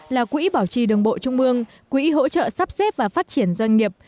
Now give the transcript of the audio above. là quỹ bảo trì đường bộ trung mương quỹ hỗ trợ sắp xếp và phát triển doanh nghiệp